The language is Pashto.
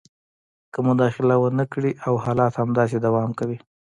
که مداخله ونه کړي او حالات همداسې دوام کوي